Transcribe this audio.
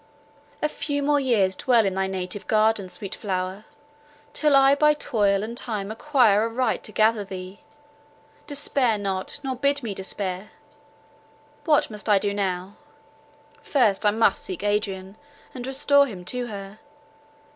A few more years dwell in thy native garden, sweet flower, till I by toil and time acquire a right to gather thee. Despair not, nor bid me despair! What must I do now? First I must seek Adrian, and restore him to her.